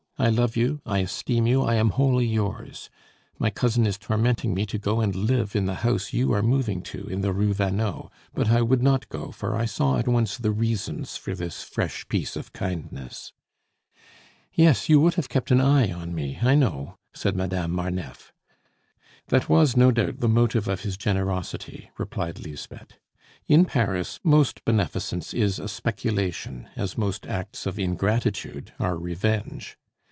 I love you, I esteem you, I am wholly yours! My cousin is tormenting me to go and live in the house you are moving to, in the Rue Vanneau; but I would not go, for I saw at once the reasons for this fresh piece of kindness " "Yes; you would have kept an eye on me, I know!" said Madame Marneffe. "That was, no doubt, the motive of his generosity," replied Lisbeth. "In Paris, most beneficence is a speculation, as most acts of ingratitude are revenge!